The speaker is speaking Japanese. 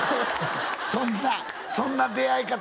そんなそんな出会い方